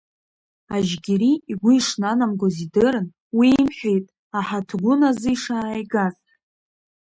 Ажьгьери игәы ишнанамгоз идырын, уи имҳәеит аҳаҭгәын азы ишааигаз.